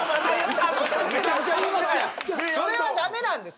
それは駄目なんです。